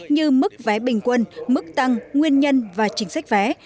như mức vé bình quân mức tăng nguyên nhân và chính sách vé